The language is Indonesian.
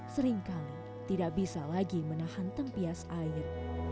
seringkali tidak bisa lagi menahan tempias air